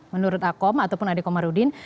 menurut akom ataupun adhiko marudin